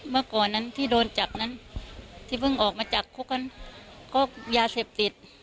เมื่อก่อนนั้นที่โดนจับนั้นที่เพิ่งออกมาจากคุกกันก็ยาเสพติด